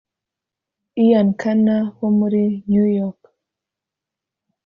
Ian Kerner wo muri New York